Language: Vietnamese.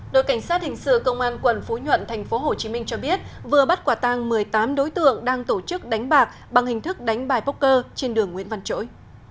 đội cảnh sát hình sự công an quận phú nhuận tp hcm cho biết vừa bắt quả tang một mươi tám đối tượng đang tổ chức đánh bạc bằng hình thức đánh bài poker trên đường nguyễn văn trỗi